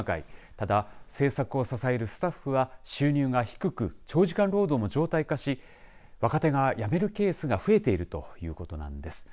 ただ制作を支えるスタッフは収入が低く長時間労働も常態化し若手がやめるケースが増えているということなんです。